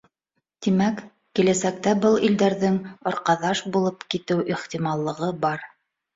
Тимәк, киләсәктә был илдәрҙең арҡаҙаш булып китеү ихтималлығы бар.